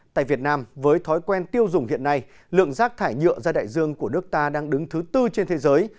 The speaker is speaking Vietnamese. tại việt nam với thói quen tiêu dùng hiện nay lượng rác thải nhựa ra đại dương của nước ta đang đứng thứ tư trên thế giới